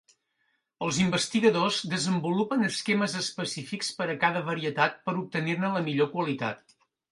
Els investigadors desenvolupen esquemes específics per a cada varietat per obtenir-ne la millor qualitat.